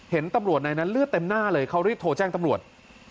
เห็นตำรวจในนั้นเลือดเต็มหน้าเลยเขารีบโทรแจ้งตำรวจ